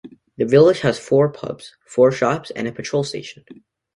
The village has four pubs, four shops, and a petrol station.